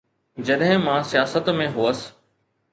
جڏهن مان سياست ۾ هوس.